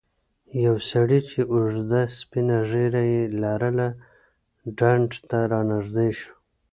یو سړی چې اوږده سپینه ږیره یې لرله ډنډ ته رانږدې شو.